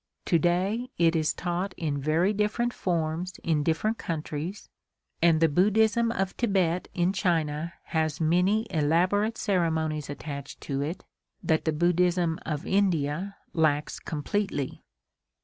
To day it is taught in very different forms in different countries, and the Buddhism of Thibet in China has many elaborate ceremonies attached to it that the Buddhism of India lacks completely.